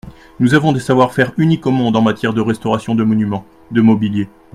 Nous avons des savoir-faire uniques au monde en matière de restauration de monuments, de mobilier.